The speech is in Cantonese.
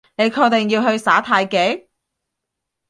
你確定要去耍太極？